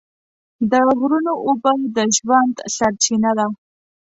د غرونو اوبه د ژوند سرچینه ده.